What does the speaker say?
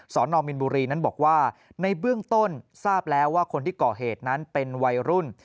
นอมมินบุรีนั้นบอกว่าในเบื้องต้นทราบแล้วว่าคนที่ก่อเหตุนั้นเป็นวัยรุ่น